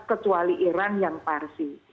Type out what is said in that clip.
kecuali iran yang parsi